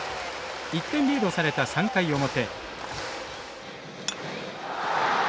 １点リードされた３回表。